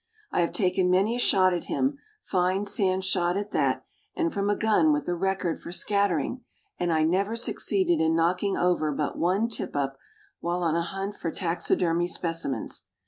I have taken many a shot at him—fine sand shot at that—and from a gun with a record for scattering, and I never succeeded in knocking over but one Tip up while on a hunt for taxidermy specimens.